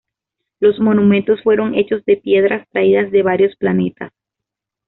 Los monumentos fueron hechos de piedras traídas de varios planetas.